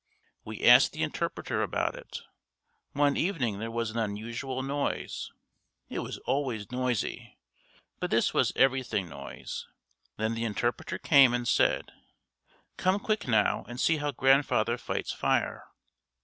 We asked the interpreter about it. One evening there was an unusual noise. It was always noisy, but this was everything noise. Then the interpreter came and said, 'Come quick now and see how grandfather fights fire.'